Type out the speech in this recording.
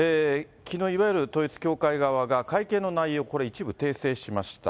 きのう、いわゆる統一教会側が会見の内容、これ、一部訂正しました。